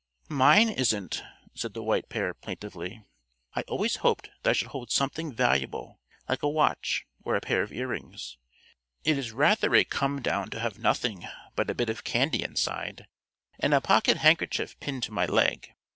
"Mine isn't," said the White Pair plaintively. "I always hoped that I should hold something valuable, like a watch or a pair of earrings. It is rather a come down to have nothing but a bit of candy inside, and a pocket handkerchief pinned to my leg.